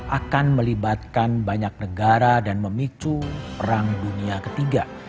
akan melibatkan banyak negara dan memicu perang dunia ketiga